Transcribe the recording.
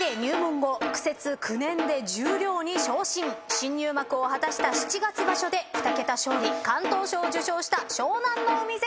新入幕を果たした七月場所で２桁勝利敢闘賞を受賞した湘南乃海関。